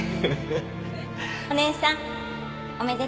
お姉さんおめでとう